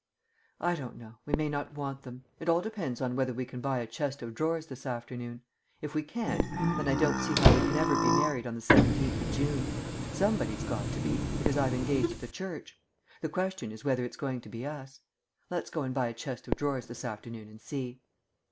"I don't know. We may not want them. It all depends on whether we can buy a chest of drawers this afternoon. If we can't, then I don't see how we can ever be married on the seventeenth of June. Somebody's got to be, because I've engaged the church. The question is whether it's going to be us. Let's go and buy a chest of drawers this afternoon, and see."